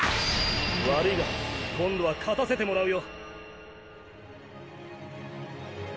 悪いが今度は勝たせてもらうよ。